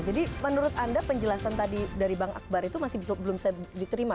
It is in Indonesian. jadi menurut anda penjelasan tadi dari bang akbar itu masih belum diterima